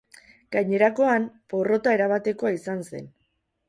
Gainerakoan, porrota erabatekoa izan zen.